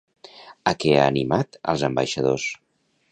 A què ha animat als ambaixadors?